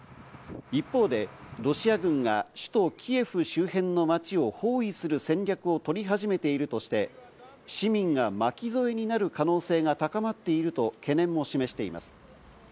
一方でロシア軍が首都・キエフ周辺の街を包囲する戦略を取り始めているとして、市民が巻き沿いになる可能性が高まっていると懸念も示しています。